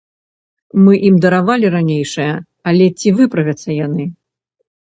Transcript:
Мы ім даравалі ранейшае, але ці выправяцца яны?